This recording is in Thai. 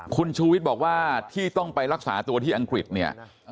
คุณชูวิทย์บอกว่าที่ต้องไปรักษาตัวที่อังกฤษเนี่ย